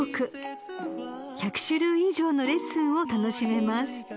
［１００種類以上のレッスンを楽しめます］